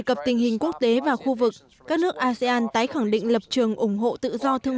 cập tình hình quốc tế và khu vực các nước asean tái khẳng định lập trường ủng hộ tự do thương